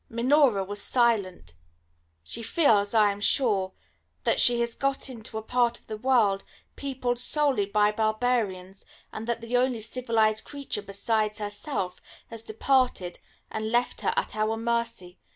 Minora was silent. She feels, I am sure, that she has got into a part of the world peopled solely by barbarians, and that the only civilised creature besides herself has departed and left her at our mercy.